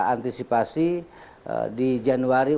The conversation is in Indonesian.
antisipasi di januari